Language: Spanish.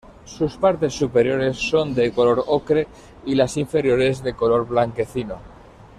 Sus partes superiores son de color ocre y las inferiores de color blanquecino.